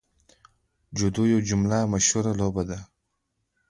جودو یوه بله مشهوره لوبه ده.